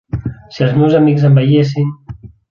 Si els meus amics em veiessin!